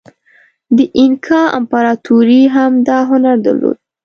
د اینکا امپراتورۍ هم دا هنر درلود.